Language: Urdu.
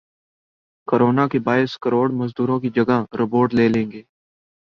کورونا کے باعث کروڑ مزدوروں کی جگہ روبوٹ لے لیں گے